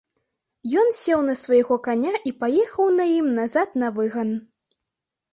Ён сеў на свайго каня і паехаў на ім назад на выган.